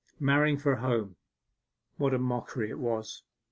Marrying for a home what a mockery it was!